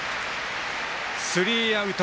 スリーアウト。